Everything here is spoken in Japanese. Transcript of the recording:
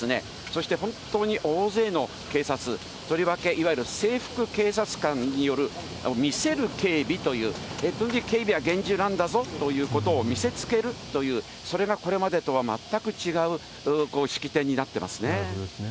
そして本当に大勢の警察、とりわけ、いわゆる制服警察官による見せる警備という、これだけ警備が厳重なんだぞというのを見せつけるという、それがこれまでとは全く違う式典になってますね。